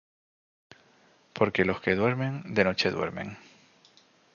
Porque los que duermen, de noche duermen;